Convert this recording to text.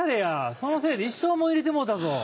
そのせいで一生もん入れてもうたぞ。